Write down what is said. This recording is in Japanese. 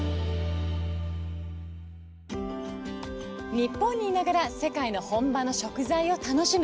日本にいながら世界の本場の食材を楽しむ。